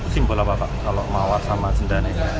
simbol apa pak kalau mawar sama sendani